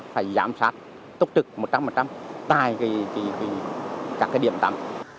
phải giám sát túc trực một trăm linh tại các điểm tắm